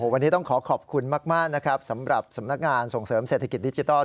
วันนี้ต้องขอขอบคุณมากนะครับสำหรับสำนักงานส่งเสริมเศรษฐกิจดิจิทัล